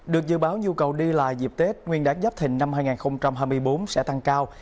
được dự báo nhu cầu đi lại dịp tết nguyên đáng giáp thịnh năm hai nghìn hai mươi bốn sẽ tăng cao